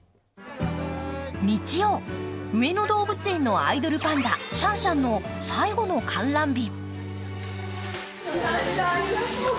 日曜、上野動物園のアイドルパンダ、シャンシャンの最後の観覧日。